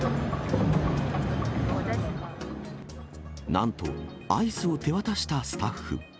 なんと、アイスを手渡したスタッフ。